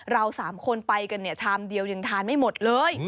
เรา๓คนไปกันเนี่ยชามเดียวยังทานไม่หมดเลย